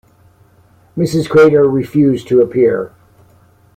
Mrs. Crater refused to appear.